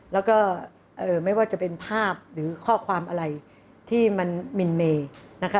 แล้วก็ไม่ว่าจะเป็นภาพหรือข้อความอะไรที่มันมินเมนะคะ